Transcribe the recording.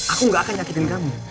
aku gak akan nyakitin kamu